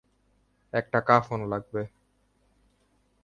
একটা কাফন লাগবে।